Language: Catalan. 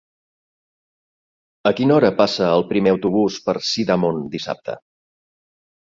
A quina hora passa el primer autobús per Sidamon dissabte?